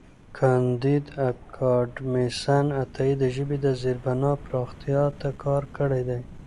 کانديد اکاډميسن عطايي د ژبې د زېربنا پراختیا ته کار کړی دی.